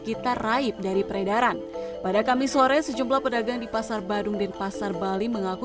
kita raip dari peredaran pada kamis sore sejumlah pedagang di pasar badung denpasar bali mengaku